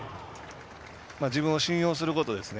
自分を信用することですね。